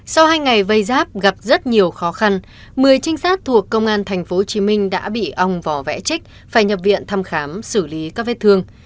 sau hai ngày vây giáp gặp rất nhiều khó khăn một mươi trinh sát thuộc công an tp hcm đã bị ong vỏ vẽ trích phải nhập viện thăm khám xử lý các vết thương